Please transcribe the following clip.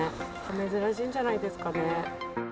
珍しいんじゃないですかね。